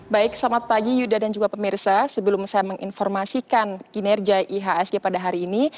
baik selamat pagi yuda dan juga pemirsa sebelum saya menginformasikan kinerja ihsg pada hari ini